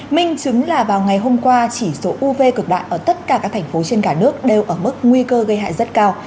minh chứng là vào ngày hôm qua chỉ số uv cực đại ở tất cả các thành phố trên cả nước đều ở mức nguy cơ gây hại rất cao